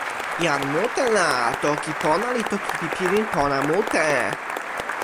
jan mute la, toki pona li toki pi pilin pona mute.